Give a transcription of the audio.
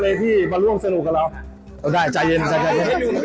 อย่าใจเย็นสักครั้งหนึ่ง